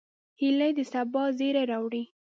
هیلۍ د سبا زیری راوړي